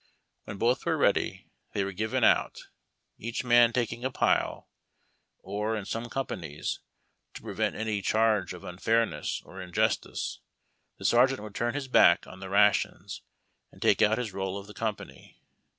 When both were ready, they w^ere given out, each man taking a pile, or, in some companies, to prevent any charge of unfairness or injustice, the sergeant woidd turn his back on the rations, and take out his roll of the company.